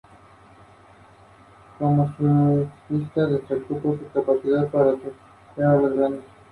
En este trecho, existen cuatro lomos de burro electrónicos, dos en cada pista.